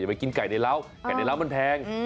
ไปกินไก่ในร้าวไก่ในร้าวมันแพง